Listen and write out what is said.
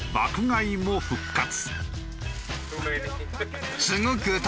買いも復活。